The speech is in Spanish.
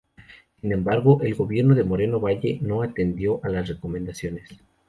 Sin embargo, el gobierno de Moreno Valle no atendió a las recomendaciones.